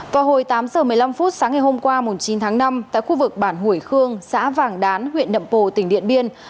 vào hồi tám giờ một mươi năm phút sáng ngày hôm qua chín tháng năm tại khu vực bản hủy khương xã vàng đán huyện nậm pồ tỉnh điện biên